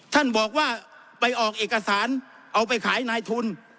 ท่านบอกว่าไปออกเอกสารเอาไปขายนายทุน